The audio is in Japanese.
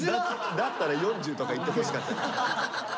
だったら４０とかいってほしかったな。